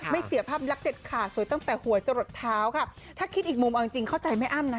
เสียภาพลักษณ์เด็ดขาดสวยตั้งแต่หัวจะหลดเท้าค่ะถ้าคิดอีกมุมเอาจริงจริงเข้าใจแม่อ้ำนะ